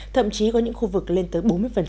thậm chí có những khu vực lên tới bốn mươi